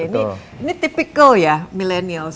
ini typical ya milenial